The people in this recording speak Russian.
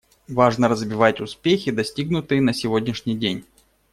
Важно развивать успехи, достигнутые на сегодняшний день.